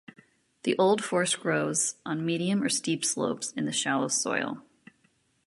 The old forest grows on medium or steep slopes in shallow soil.